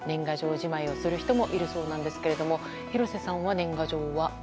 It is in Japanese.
じまいをする人もいるそうですが廣瀬さんは年賀状は？